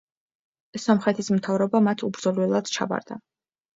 სომხეთის მთავრობა მათ უბრძოლველად ჩაბარდა.